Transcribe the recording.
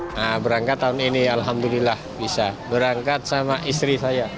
nah berangkat tahun ini alhamdulillah bisa berangkat sama istri saya